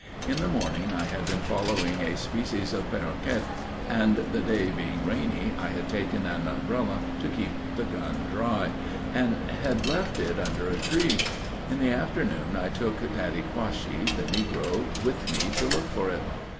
In the morning I had been following a species of paroquet, and, the day being rainy, I had taken an umbrella to keep the gun dry, and had left it under a tree: in the afternoon, I took Daddy Quashi (the negro) with me to look for it.